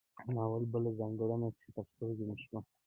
د ناول بله ځانګړنه چې تر سترګو مې شوه